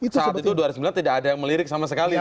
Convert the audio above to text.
saat itu dua ribu sembilan tidak ada yang melirik sama sekali